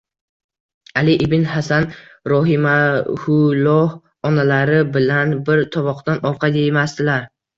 «Ali ibn Hasan rohimahulloh onalari bilan bir tovoqdan ovqat yemasdilar